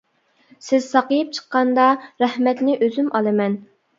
سىز ساقىيىپ چىققاندا رەھمەتنى ئۆزۈم ئالىمەن.